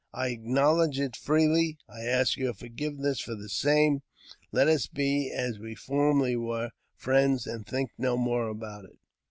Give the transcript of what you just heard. I acknowledge it freely, and I ask your forgiveness for the same. Let us be as we former! were, friends, and think no more about it."